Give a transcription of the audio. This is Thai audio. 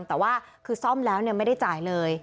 แต่ว่าคือซ่อมแล้วไม่ได้จ่ายเลย